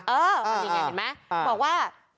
เอออันนี้เห็นไหมบอกว่า